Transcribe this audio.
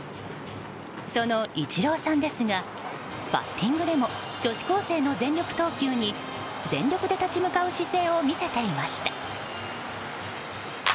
そのイチローさんですがバッティングでも女子高生の全力投球に全力で立ち向かう姿勢を見せていました。